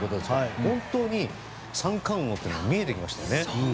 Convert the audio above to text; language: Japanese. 本当に三冠王というのが見えてきましたね。